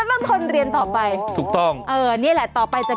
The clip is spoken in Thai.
แม่ไม่ยอมมารับ